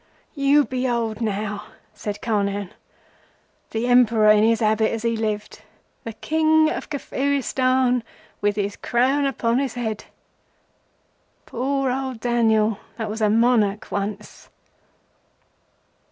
"You behold now," said Carnehan, "the Emperor in his habit as he lived—the King of Kafiristan with his crown upon his head. Poor old Daniel that was a monarch once!"